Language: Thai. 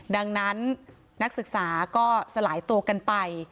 ดังนั้นนักศึกษาก็สลายตัวกันไป